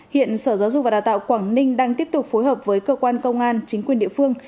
hiện sở giáo dục và đào tạo quảng ninh đang tiếp tục phối hợp với cơ quan công an chính quyền địa phương